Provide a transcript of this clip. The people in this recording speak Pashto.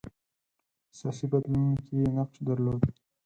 په سیاسي بدلونونو کې یې نقش درلود.